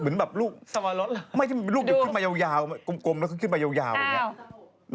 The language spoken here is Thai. พ่อแม่มันหน้าตาดีมากไปนะแท็กสุดน่ารัก